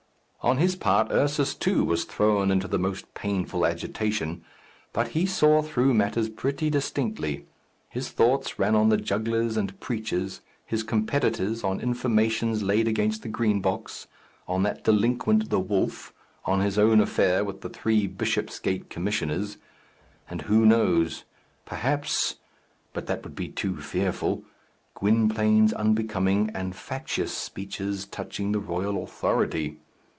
On his part Ursus, too, was thrown into the most painful agitation, but he saw through matters pretty distinctly. His thoughts ran on the jugglers and preachers, his competitors, on informations laid against the Green Box, on that delinquent the wolf, on his own affair with the three Bishopsgate commissioners, and who knows? perhaps but that would be too fearful Gwynplaine's unbecoming and factious speeches touching the royal authority.